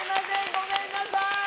ごめんなさい！